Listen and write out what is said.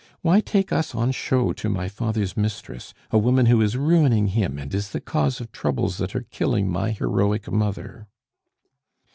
Why take us on show to my father's mistress, a woman who is ruining him and is the cause of troubles that are killing my heroic mother?"